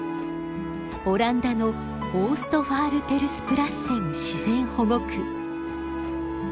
オランダのオーストファールテルスプラッセン自然保護区。